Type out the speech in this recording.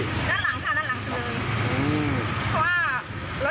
ด้านหลังค่ะด้านหลังคือเลย